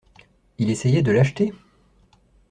Il essayait de l’acheter?